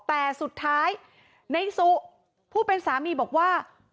แต่สุดท้ายในสุผู้เป็นสามีบอกว่า